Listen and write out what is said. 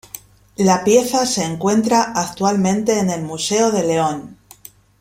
La pieza se encuentra actualmente en el Museo de León.